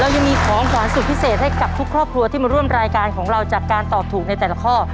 ยังมีของขวานสุดพิเศษให้กับทุกครอบครัวที่มาร่วมรายการของเราจากการตอบถูกในแต่ละข้อ